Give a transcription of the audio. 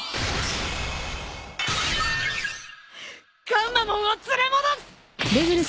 ガンマモンを連れ戻す！